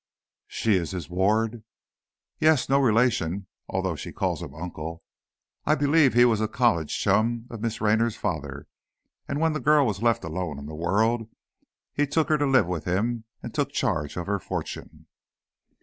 "She is his ward?" "Yes; no relation, although she calls him uncle. I believe he was a college chum of Miss Raynor's father, and when the girl was left alone in the world, he took her to live with him, and took charge of her fortune."